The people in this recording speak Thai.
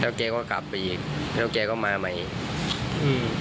แกก็กลับไปอีกแล้วแกก็มาใหม่อืม